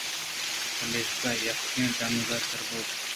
پمیشا یکّیں ڈنگءَ آسرد بُوت